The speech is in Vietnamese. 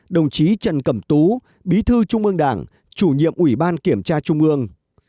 hai mươi ba đồng chí trần cẩm tú bí thư trung ương đảng chủ nhiệm ủy ban kiểm tra trung ương